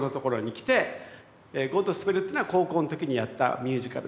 「ゴッドスペル」というのは高校の時にやったミュージカル。